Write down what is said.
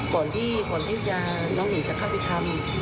ก่อนให้น้องหนุ่มจะเข้าไปทำ